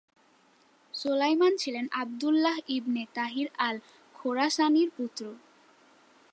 সুলাইমান ছিলেন Abdullah ibn Tahir আল-খোরাসানির পুত্র।